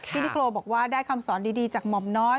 พี่นิโครบอกว่าได้คำสอนดีจากหม่อมน้อย